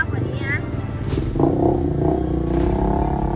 สวัสดีครับคุณผู้ชาย